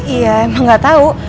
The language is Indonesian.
iya emang gak tau